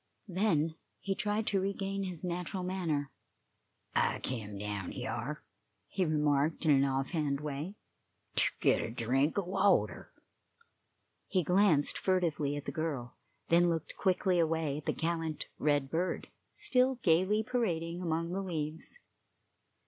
Then he tried to regain his natural manner. "I kem down hyar," he remarked, in an off hand way, "ter git a drink o' water." He glanced furtively at the girl, then looked quickly away at the gallant red bird, still gayly parading among the leaves.